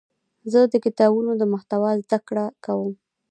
زه د کتابونو د محتوا زده کړه کوم.